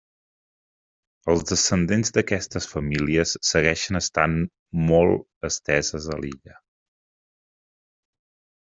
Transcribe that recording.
Els descendents d'aquestes famílies segueixen estant molt esteses a l'illa.